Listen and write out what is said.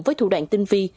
với thủ đoạn tinh vi